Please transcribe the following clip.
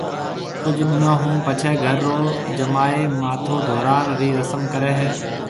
ڪجھ ڏنون ھون پڇيَ گھر رو جمائِي ماٿو ڌوراڻ رِي رسم ڪرَي ھيََََ